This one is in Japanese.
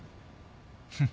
フフ。